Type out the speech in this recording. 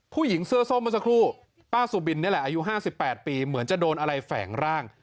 ผู้หญิงเสื้อส้มเมื่อสักครู่ป้าสุบินนี่แหละอายุ๕๘ปีเหมือนจะโดนอะไรแฝงร่าง